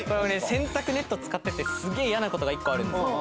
洗濯ネット使っててすげぇ嫌なことが１個あるんですよ。